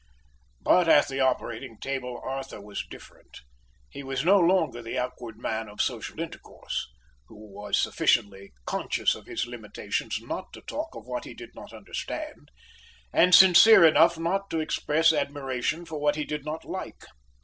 But at the operating table Arthur was different. He was no longer the awkward man of social intercourse, who was sufficiently conscious of his limitations not to talk of what he did not understand, and sincere enough not to express admiration for what he did not like.